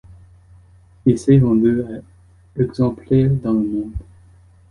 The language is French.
Il s'est vendu à exemplaires dans le monde.